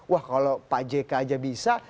wah kalau pak jk aja bisa